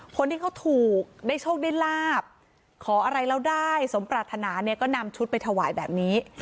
คนที่เขาถูกได้โชคได้ลาบขออะไรแล้วได้สมปรารถนาเนี่ยก็นำชุดไปถวายแบบนี้